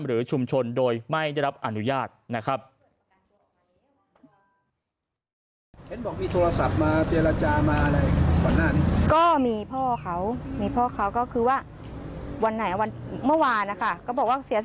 หรือชุมชนโดยไม่ได้รับอนุญาตนะครับ